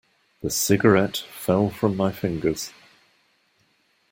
The cigarette fell from my fingers.